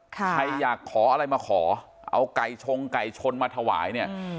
ใครอยากขออะไรมาขอเอาไก่ชงไก่ชนมาถวายเนี่ย